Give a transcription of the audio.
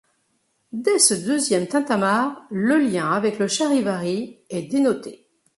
Dès ce deuxième tintamarre, le lien avec le charivari est dénoté.